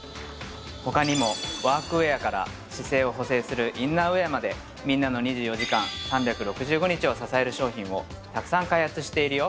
他にもワークウェアから姿勢を補正するインナーウェアまでみんなの２４時間３６５日を支える商品をたくさん開発しているよ